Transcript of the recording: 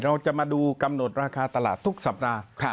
เราจะมาดูกำหนดราคาตลาดทุกสัปดาห์